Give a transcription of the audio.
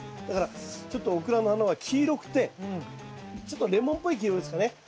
だからちょっとオクラの花は黄色くてちょっとレモンっぽい黄色ですかね。